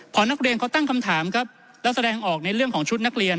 พอนักเรียนเขาตั้งคำถามครับแล้วแสดงออกในเรื่องของชุดนักเรียน